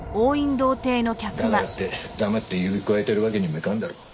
だからって黙って指くわえてるわけにもいかんだろ。